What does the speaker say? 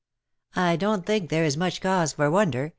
''" I don't think there is much cause for wonder.